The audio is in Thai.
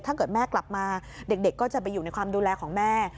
ถ้าเกิดแม่กลับมาเด็กก็จะไปอยู่ในความดูแลของแม่